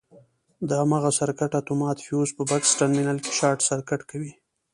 د هماغه سرکټ اتومات فیوز په بکس ټرمینل کې شارټ سرکټ کوي.